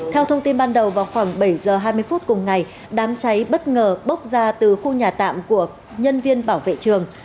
theo thông tin ban đầu vào khoảng bảy giờ hai mươi phút cùng ngày đám cháy bất ngờ bốc ra từ khu nhà tạm của nhân viên phù đồng